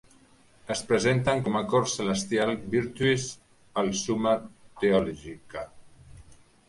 Es presenten com a cor celestial "Virtues", al "Summa Theologica".